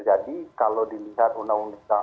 jadi kalau dilihat undang undang